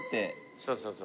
そうそうそうそう。